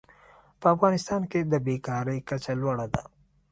په افغانستان کې د بېکارۍ کچه لوړه ده.